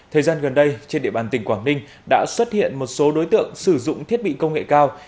thời gian gần đây trên địa bàn tỉnh quảng ninh đã xuất hiện một số đối tượng sử dụng thiết bị công nghệ cao